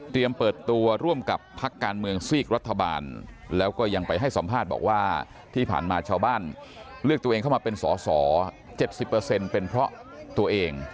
เปิดตัวร่วมกับพักการเมืองซีกรัฐบาลแล้วก็ยังไปให้สัมภาษณ์บอกว่าที่ผ่านมาชาวบ้านเลือกตัวเองเข้ามาเป็นสอสอ๗๐เป็นเพราะตัวเอง